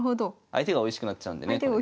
相手がおいしくなっちゃう。